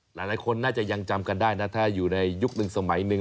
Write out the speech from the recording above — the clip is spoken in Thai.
หลายคนน่าจะยังจำกันได้นะถ้าอยู่ในยุคหนึ่งสมัยหนึ่ง